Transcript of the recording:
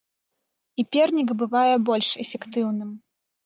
І пернік бывае больш эфектыўным.